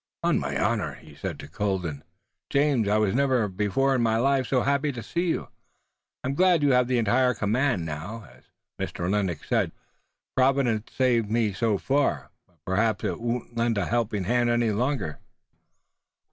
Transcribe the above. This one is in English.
"On my honor," he said to Colden, "James, I was never before in my life so happy to see you. I'm glad you have the entire command now. As Mr. Lennox said, Providence saved me so far, but perhaps it wouldn't lend a helping hand any longer."